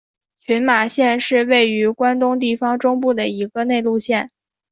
群马县是位于关东地方中部的一个内陆县。